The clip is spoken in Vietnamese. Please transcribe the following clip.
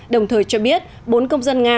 đồng thời cho biết bốn công dân nga